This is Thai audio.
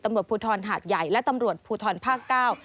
ตำรวจภูทรหาดใหญ่และตำรวจภูทรภาคเก้า